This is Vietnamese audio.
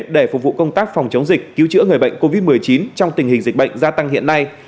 để phục vụ công tác phòng chống dịch cứu chữa người bệnh covid một mươi chín trong tình hình dịch bệnh gia tăng hiện nay